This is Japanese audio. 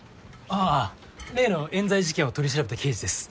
あぁ例のえん罪事件を取り調べた刑事です。